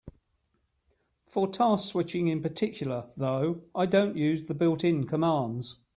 For task switching in particular, though, I don't use the built-in commands.